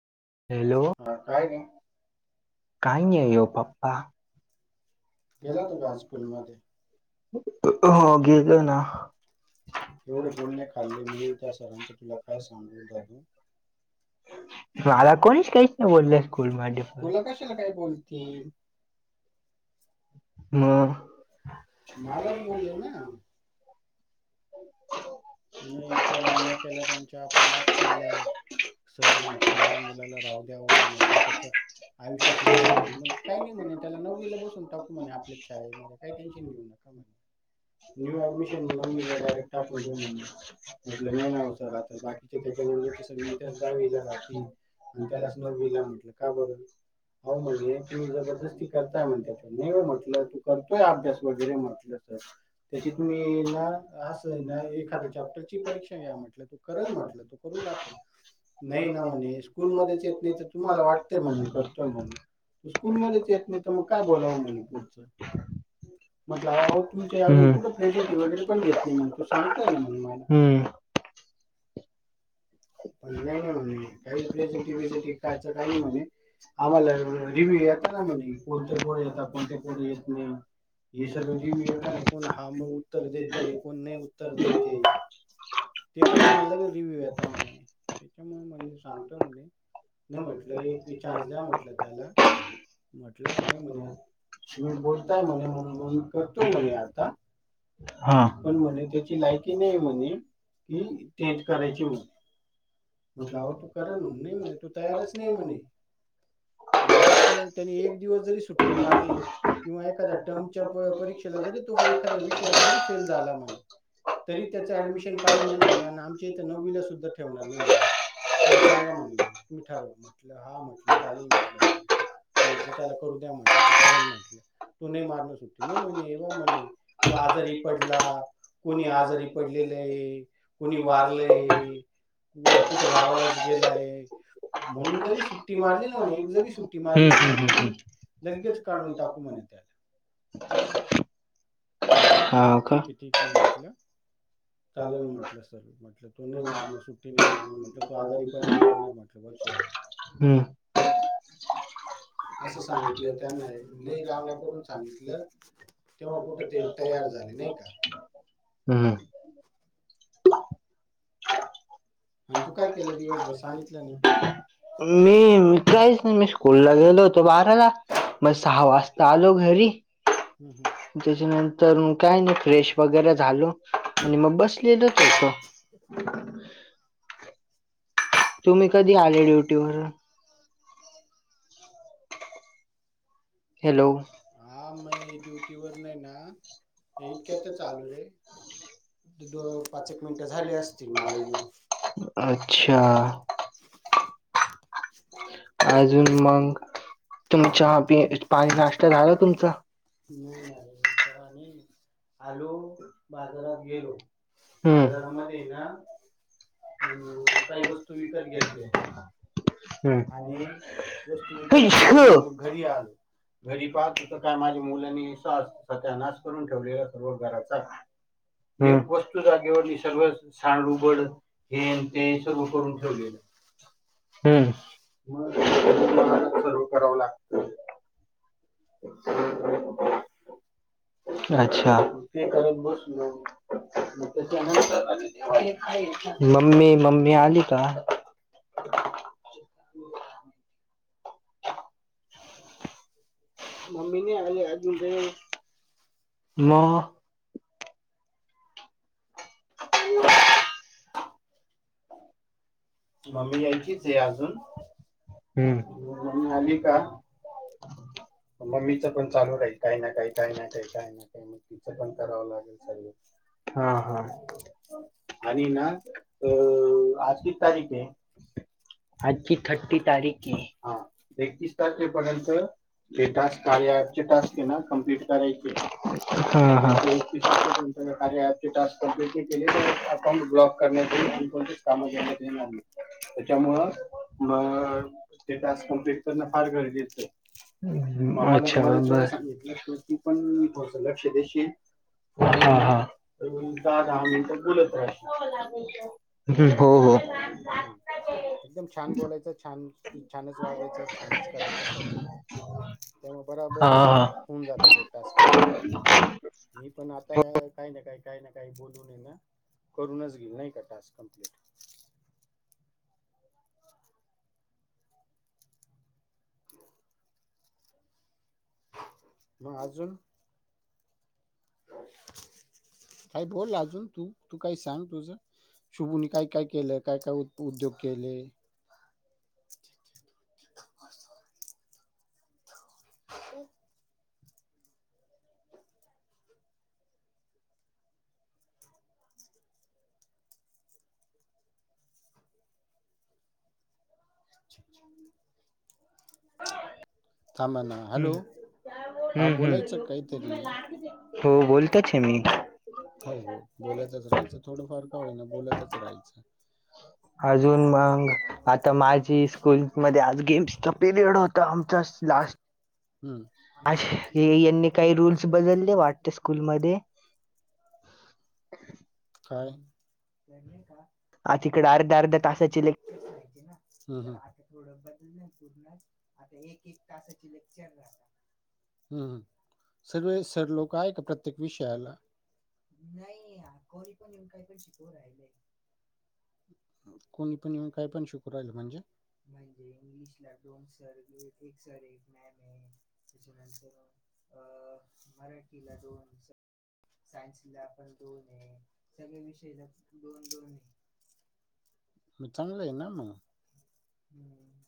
Hello का रे? काय नाही वो पप्पा. गेला होता का आज स्कूलमध्ये? हो गेलं ना. एवढे बोलणे खाल्ले [unintelligible] माला कोणीचं काहीच नाहि बोलल स्कूल मध्ये पण. तुला कशाला काही बोलतील. मं? मालाच बोलले ना. नही इतक्या रावण्या केल्या त्यांच्या, पाया पडल्या. सर म्हटलं माह्या मुलाला राहू द्यावं, म्हटलं त्याचं आयुष्याचं नुकसान होईल म्हटलं. काहि नही म्हणे, त्याला नववीला बसवून टाकू म्हणे आपल्याच शाळेमध्ये. काही टेन्शन घेऊ नका. कामाही [unintelligible] [unintelligible] [unintelligible] अहो म्हटलं तुम्ही जबरदस्ती करताय म्हटलं. मी म्हटलं करतोय अभ्यास वगैरे म्हटलं सर. त्याची तुम्ही येईल ना? असंये ना एखाद्या चाप्टरची परीक्षा घ्या म्हटलं. तो करल म्हटलं, तो करून दाखवल. नाही ना म्हणे स्कूल मध्येच येत नाही त तुम्हाला वाटतंय म्हणून करतोय म्हणून. तो स्कूलमध्येच येत नाही तं, मग काय बोलावं म्हणे पुढचं. म्हटलं अवो अवो तुमचे अजून कुठे प्रेझेंटी वगैरे पण घेत नही. म्हणे तो सांगतोय ना म्हणे. हम्म पण नाही नाही म्हणे, काही प्रेझेंटी, बिझँटिचं काही नाही म्हणे. आम्हाला रिव्ह्यू यात त्याला म्हणे कोणते पोरे येतात. कोणते पोर येत नही हे सर्व रिव्ह्यू येताना, कोण हा म उत्तर देते कोण नही उत्तर देतेय. ते पण आम्हाला लगेच रिव्ह्यू येता म्हणे, त्याच्यामुळे म्हणे सांगतो म्हणे. नाही म्हटलं एकी चान्स द्या म्हटलं त्याला. म्हटलं नाही म्हणे तुम्ही बोलताय म्हणे, म्हणून म्हणून मी करतोय म्हणे आता. पण म्हणे त्याची लायकी नाही म्हणे कि टेंट करायची म्हणे. म्हटल आवो तो करल म्हणे. नाही म्हणे तो तयारच नही म्हणे. जर त त्यांनी एक दिवस जरी सुट्टी मारली किंवा एखाद्या टर्मच्या परीक्षेला जरी तो एका विषयात जरी फेल झाला म्हणे, तरी त्याच ऍडमिशन काढून देईल म्हणे, अन आमच्या इथे नववीला सुद्धा तुम्ही सांगा म्हणे मग तुम्ही ठरवा म्हटलं हा म्हटलं चालेल म्हटलं सर म्हटलं त्याला करू द्या म्हटलं, तो करेल म्हटलं. तू नाही मारणार सुट्टी. नही म्हणे एव म्हणे तो आजारी पडला कोणी आजारी पडलेलंये, कुणी वारलये कुठं गावालाच गेलाय, म्हणून जरी सुट्टी मारली ना म्हणे. एक जरी सुट्टी सुट्टी मारली ना म्हणे त्यांनी, लगेच काढून टाकू म्हणे त्याला [inaudible] म्हटलं ठीकये, ठीक्ये म्हटलं. चालेल म्हटलं सर, म्हटलं तो नाही मारणार सुट्टी. नाही मारणार म्हटलं. तो आजारी पण नाही पडणार. म्हटलं वर्षभर हम्म [inaudible] असं सांगितलंय त्यांना. लई रावण्या करून सांगितलं, तेव्हा कुठं ते तयार झाले नाही का? हम् आणि तू काय केलं दिवसभर सांगितलं नाही. मी काहीच ना मी स्कूलला गेलो होतो. बाराला मग सहा वाजता आलो घरी [unintelligible] त्याच्यानंतर काय नाही फ्रेश वगैरे झालो आणि मग बसल गेलो तस [inaudible] [unintelligible] तुम्ही कधी आले ड्युटीवरून हॅलो! हा मै ड्युटी वर नाही ना इतक्यात आलो रे दो... पाच एक मिनिटं झाले असतील मला येऊन अच्छा.... अजून मग तुम चहा पी पाई नाश्ता झाला तुमचा? नाही ना रे चहा आणि आलो बाजारात गेलो, हम् बाजरामध्ये ना काही ग [inaudible] स् घेतले हम् [unintelligible] कस घरी पाहतो काय माझ्या मुलांनी असं सत्यानाश करून ठेवलेला सर्व घराचा. हम् एक वस्तू जागेवरून सगळं साडून हेन-तेन सर्व करून ठेवलेले. हम्म [inaudible] सर्व करावं लागत. [inaudible] अच्छा, [inaudible] मम्मी मम्मी आली का? मम्मी नाही आली अजून रे. मग. [inaudible] मम्मी यायची आहे अजून, मम्मी आली का? [inaudible] मग मम्मीच पण चालू राहील काही ना काही काही ना काही काय तिचं पण कराव लागेल. हा हा आणि ना अशी तारीख आहे. आजची थर्टी तारीख हे एकतीस तारखेपर्यंत हे टास्क कार्याअपचे टास्क आहे ना, कमप्लीट करायचे. [inaudible] कार्य अँप टस्क कमप्लिट नाही केलेना, अकाउंट ब्लॉक करण्यात येईल. त्याच्यामुळं मग ते टास्क कमप्लीट करणं फार गरजेचं आहे. अच्छा! बर [unintelligible] हा हा तर दहा मिनिट बोलत राहा. हो हो. हम्म एकदम छान बोलायचं, छान छानच वागायचं, छानच करायचं सर्व. [unintelligible] बरोबर आहे ना, होऊन जातात एक टास्क मी पण आता काही ना काय? काही ना काही बोलून ये ना, करूनच घेईन नाही का टास्क कमप्लीट [inaudible] [unintelligible] मग अजून? काय बोल अजून तू, तू काही सांग तुझं. शुभूनी काय काय केलं काय काय उद्योग केले. थांबना हॅलो! हम्म हम्म हो बोलतच आहे मी. हो हो, बोलतंच राहाचं थोडं फार का होईना बोलतच राहायचं. अजून मग आता माझी स्कूलमध्ये आज गेम्सचा पिरियड होत आमचा. हम्म. अ यांनी काही रूल्स बदलले वाटते स्कूलमध्ये. काय नाही का आता अर्ध्या अर्ध्या तासायची लेक्चर राहायची ना. हम हम, थोड बदललं पूर्ण आता एक एक तासाची लेक्चर राहते. हम्म, सगळे सर लोक आहे का प्रत्येक विषयाला? नाही कोणी पण येऊ काहीतरी पण शिकव राहिले. कोणी पण ये काय पण शिकू राहिल म्हणजे? म्हणजे इंग्लिश ला डोंट सर ग एक सर एक मॅम ए. त्याच्यानंतर अ मराठी दोन सर सायन्स ला आपण दोन आहे सगळे विषय ला दोन दोन आहे. चांगलं ना मग. हम्म.